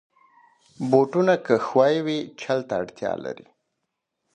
بوټونه که ښوی وي، چل ته اړتیا لري.